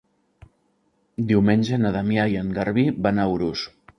Diumenge na Damià i en Garbí van a Urús.